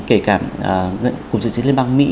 kể cả cục dự trí liên bang mỹ